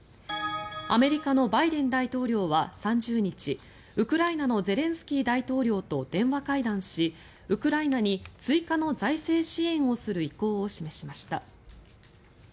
アメリカのバイデン大統領は３０日ウクライナのゼレンスキー大統領と電話会談しウクライナに追加の財政支援をする意向を示しました。